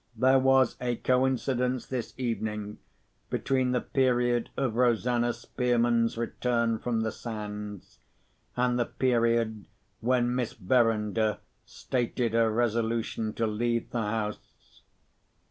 There was a coincidence, this evening, between the period of Rosanna Spearman's return from the Sands and the period when Miss Verinder stated her resolution to leave the house.